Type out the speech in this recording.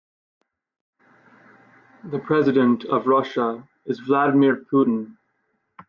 The president of Russia is Vladimir Putin.